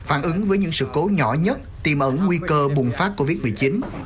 phản ứng với những sự cố nhỏ nhất tìm ẩn nguy cơ bùng phát covid một mươi chín